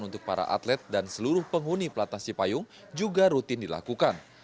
untuk para atlet dan seluruh penghuni pelatnas cipayung juga rutin dilakukan